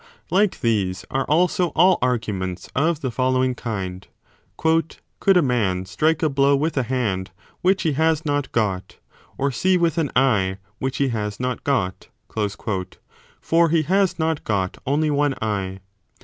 Like these are also all arguments of the following kind : Could a man strike a blow with a hand which he has not got, or see with an eye which he has not got ? For he has 10 not got only one eye.